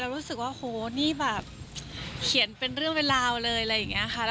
รู้สึกว่าโหนี่แบบเขียนเป็นเรื่องเป็นราวเลยอะไรอย่างนี้ค่ะ